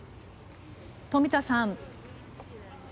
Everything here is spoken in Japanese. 冨田さん